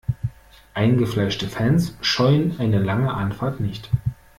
Eingefleischte Fans scheuen eine lange Anfahrt nicht.